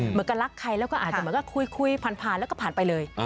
เหมือนกับรักใครแล้วก็อาจจะเหมือนกับคุยผ่านแล้วก็ผ่านไปเลย